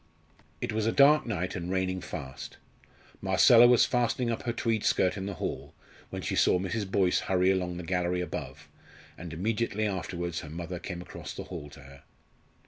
It was a dark night and raining fast. Marcella was fastening up her tweed skirt in the hall, when she saw Mrs. Boyce hurry along the gallery above, and immediately afterwards her mother came across the hall to her.